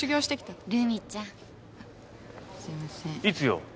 いつよ？